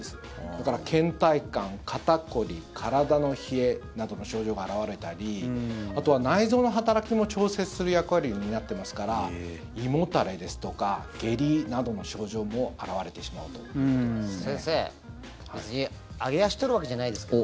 だから、けん怠感、肩凝り体の冷えなどの症状が表れたりあとは内臓の働きも調節する役割を担っていますから胃もたれですとか下痢などの症状も表れてしまうということですね。